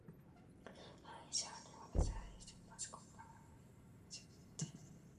An initial analysis of the accident was conducted by an Aircraft Accident Investigation Team.